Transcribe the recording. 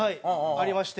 ありまして。